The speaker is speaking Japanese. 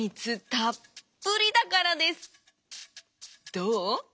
どう？